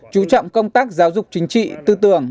chú trọng công tác giáo dục chính trị tư tưởng